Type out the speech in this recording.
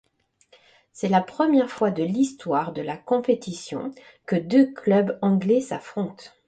C'est la première fois de l'histoire de la compétition que deux clubs anglais s'opposent.